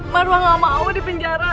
marwah gak mau dipenjara